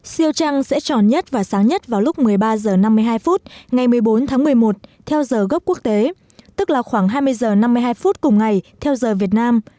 siêu trăng sẽ tròn nhất và sáng nhất vào lúc một mươi ba h năm mươi hai phút ngày một mươi bốn tháng một mươi một theo giờ gốc quốc tế tức là khoảng hai mươi h năm mươi hai phút cùng ngày theo giờ việt nam